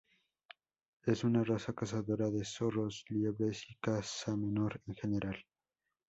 Es una raza cazadora de zorros, liebres y caza menor en general.